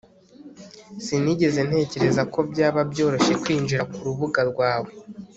sinigeze ntekereza ko byaba byoroshye kwinjira kurubuga rwawe